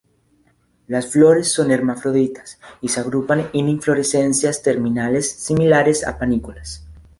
Las flores son hermafroditas y se agrupan en inflorescencias terminales similares a panículas.